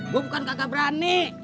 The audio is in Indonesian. gua bukan kagak berani